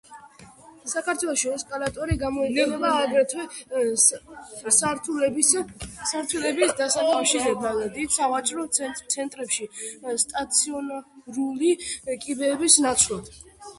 საქართველოში ესკალატორი გამოყენება აგრეთვე სართულების დასაკავშირებლად დიდ სავაჭრო ცენტრებში სტაციონარული კიბეების ნაცვლად.